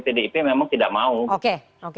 pdip memang tidak mau